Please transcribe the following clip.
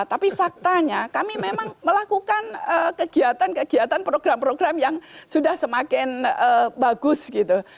tapi faktanya kami memang melakukan kegiatan kegiatan program program yang sudah semakin bagus gitu